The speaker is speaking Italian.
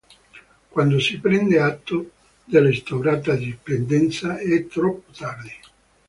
Quando si prende atto dell'instaurata dipendenza è troppo tardi.